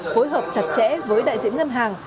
phối hợp chặt chẽ với đại diện ngân hàng